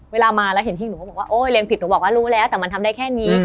เวลามาแล้วเห็นที่หนูก็บอกว่าโอ๊ยเรียนผิดหนูบอกว่ารู้แล้วแต่มันทำได้แค่นี้